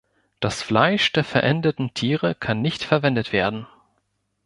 Das Fleisch der verendeten Tiere kann nicht verwertet werden.